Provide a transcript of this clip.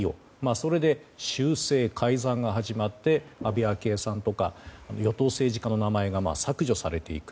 それで、修正・改ざんが始まって、安倍昭恵さんとか与党政治家の名前が削除されていく。